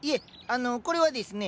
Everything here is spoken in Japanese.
あのこれはですね